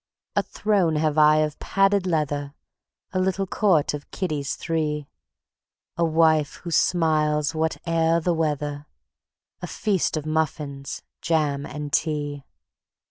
A throne have I of padded leather, A little court of kiddies three, A wife who smiles whate'er the weather, A feast of muffins, jam and tea.